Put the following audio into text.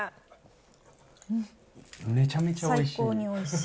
めちゃめちゃおいしい。